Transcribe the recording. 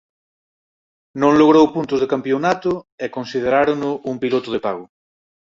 Non logrou puntos de campionato e considerárono un piloto de pago.